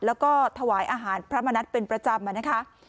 แล้วก็ถวายอาหารพระมณัฐเป็นประจำนะคะ